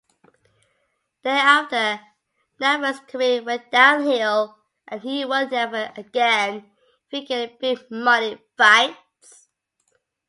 Thereafter, Navarrete's career went downhill and he would never again figure in big-money fights.